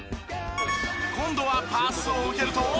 今度はパスを受けると。